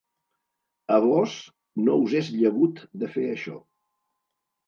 A vós no us és llegut de fer això.